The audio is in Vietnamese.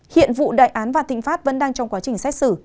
hiện vụ đại án và tình phát vẫn đang trong quá trình xét xử